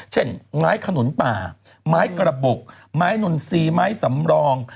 เช่นไม้ขนุนป่าไม้กระบบไม้นนทรีย์ไม้สำรอง